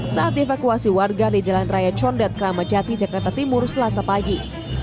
saat dievakuasi warga di jalan raya condet kramajati jakarta timur selasa pagi